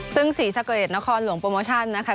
ซึ่งศรีสะเกดนครหลวงโปรโมชั่นนะคะ